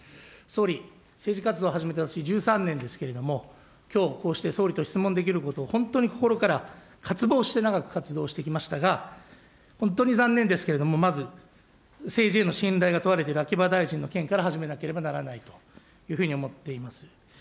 総理、政治活動を始めて私、１３年ですけれども、きょう、こうして総理に質問できることは本当に心から渇望して長く活動してきましたが、本当に残念ですけれども、まず、政治への信頼が問われている秋葉大臣の件から始めなければならないというふうに考えております。